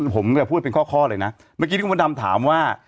ผมจะพูดเป็นข้อเลยนะเมื่อกี้ที่คุณพระดำถามว่า